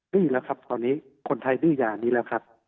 ดื้อยาคนไทยดื้อยานี้แล้วครับ